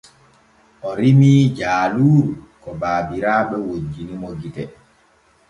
O rimii jaaluuru ko baabiraaɓe wojjini mo gite.